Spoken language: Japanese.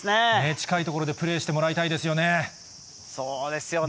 近い所でプレーしてもらいたいですよね。